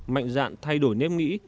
mạnh dạn thay đổi nếp nghĩ